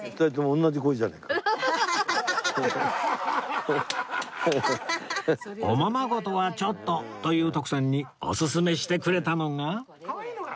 おままごとはちょっとという徳さんにおすすめしてくれたのが